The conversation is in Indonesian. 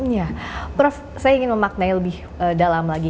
ya prof saya ingin memaknai lebih dalam lagi